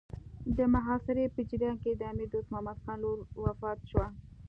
د محاصرې په جریان کې د امیر دوست محمد خان لور وفات شوه.